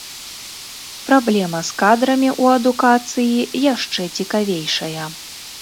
Праблема з кадрамі ў адукацыі яшчэ цікавейшая.